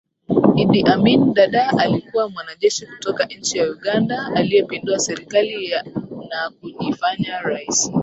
Idi Amin Dada alikuwa mwanajeshi kutoka nchi ya Uganda aliyepindua serikali na kujifanya rais